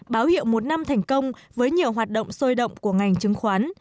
báo hiệu một năm thành công với nhiều hoạt động sôi động của ngành chứng khoán